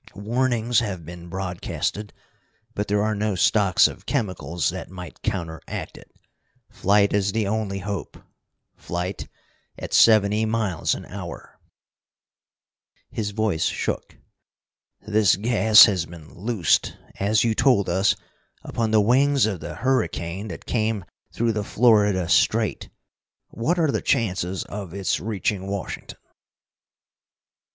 Warnings have been broadcasted, but there are no stocks of chemicals that might counteract it. Flight is the only hope flight at seventy miles an hour!" His voice shook. "This gas has been loosed, as you told us, upon the wings of the hurricane that came through the Florida Strait. What are the chances of its reaching Washington?"